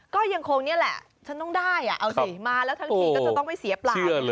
ก็ยังคงนี่แหละฉันต้องได้เอาสิมาแล้วทั้งทีก็จะต้องไปเสียเปล่า